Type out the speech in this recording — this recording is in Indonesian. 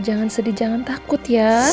jangan sedih jangan takut ya